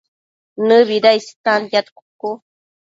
¿Nëbida istantiad cucu?